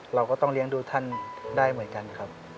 เราก็ต้องเลี้ยงดูท่านได้เหมือนกันครับ